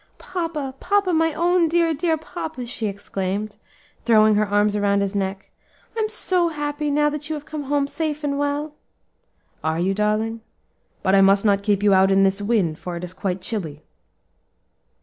"Papa, papa, my own dear, dear papa!" she exclaimed, throwing her arms around his neck, "I'm so happy, now that you have come home safe and well." "Are you, darling? but I must not keep you out in this wind, for it is quite chilly."